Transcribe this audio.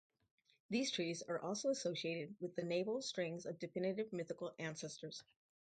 These trees are also associated with the navel-strings of definite mythical ancestors.